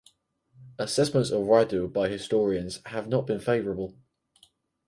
Assessments of Radu by historians have not been favorable.